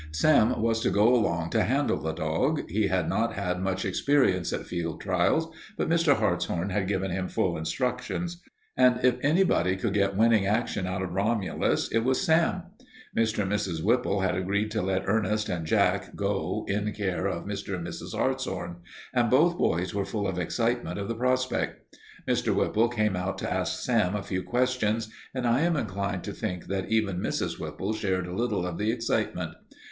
Sam was to go along to handle the dog. He had not had much experience at field trials, but Mr. Hartshorn had given him full instructions, and if anybody could get winning action out of Romulus it was Sam. Mr. and Mrs. Whipple had agreed to let Ernest and Jack go in care of Mr. and Mrs. Hartshorn, and both boys were full of excitement of the prospect. Mr. Whipple came out to ask Sam a few questions and I am inclined to think that even Mrs. Whipple shared a little of the excitement.